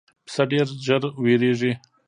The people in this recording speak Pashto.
پسه ډېر ژر وېرېږي.